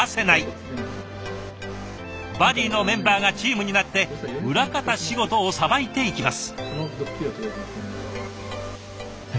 バディのメンバーがチームになって裏方仕事をさばいていきます。